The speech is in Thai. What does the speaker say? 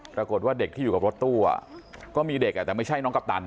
ปรากฏว่าเด็กที่อยู่กับรถตู้ก็มีเด็กแต่ไม่ใช่น้องกัปตัน